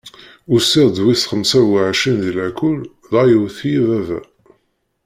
Usiɣ-d d wis xemsa u ɛecrin di lakul dɣa yewwet-iyi baba.